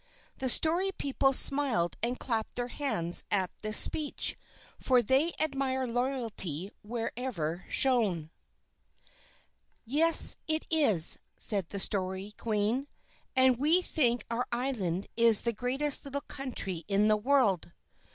The Story People smiled and clapped their hands at this speech, for they admire loyalty wherever shown. "Yes, it is," said the Story Queen, "and we think our island is the greatest little country in all the world."